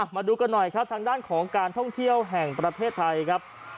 มาดูกันหน่อยครับทางด้านของการท่องเที่ยวแห่งประเทศไทยครับ